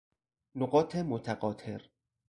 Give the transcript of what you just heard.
نقاط متقاطر